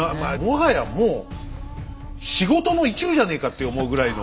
もはやもう仕事の一部じゃねえかって思うぐらいの。